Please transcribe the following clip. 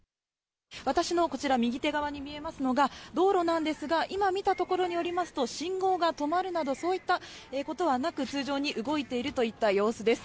私のこちら、右手側に見えますのが道路なんですが、今見たところによりますと、信号が止まるなど、そういったことはなく、通常に動いているといった様子です。